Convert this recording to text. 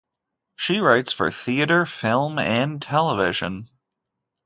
She writes for theatre, film and television.